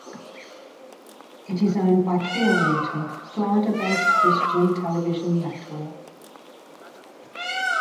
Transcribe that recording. It is owned by Clearwater, Florida-based Christian Television Network.